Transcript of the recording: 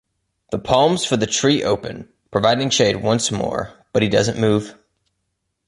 The palms for the tree open, providing shade once more, but he doesn't move.